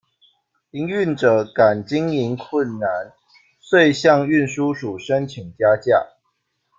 营运者感经营困难，遂向运输署申请加价。